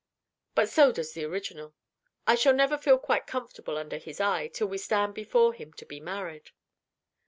But so does the original. I shall never feel quite comfortable under his eye, till we stand before him to be married."